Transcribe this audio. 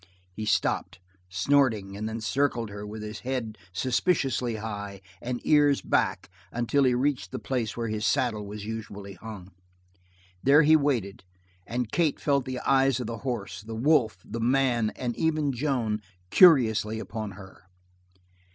He stopped, snorting, and then circled her with his head suspiciously high, and ears back until he reached the place where his saddle was usually hung. There he waited, and Kate felt the eyes of the horse, the wolf, the man, and even Joan, curiously upon her.